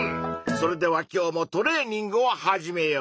それでは今日もトレーニングを始めよう！